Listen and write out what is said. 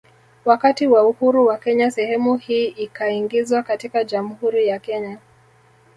Wakati wa uhuru wa Kenya sehemu hii ikaingizwa katika Jamhuri ya Kenya